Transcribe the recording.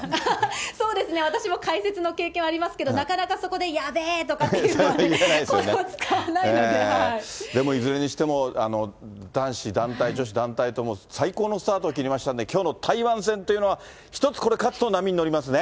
そうですね、私も解説の経験ありますけど、なかなかそこでやべぇとかっていうのは、でもいずれにしても、男子団体、女子団体とも最高のスタートを切りましたので、きょうの台湾戦というのは、一つこれ、勝つと波に乗りますね。